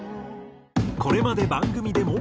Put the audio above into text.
これまで番組でも。